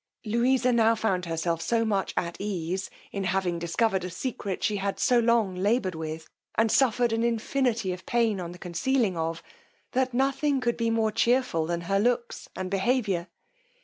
Louisa now found herself so much at ease, in having discovered a secret she had so long laboured with, and suffered an infinity of pain in the concealing of, that nothing could be more chearful than her looks and behaviour.